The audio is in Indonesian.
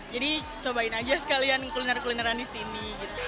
jadi cobain aja sekalian kuliner kulineran disini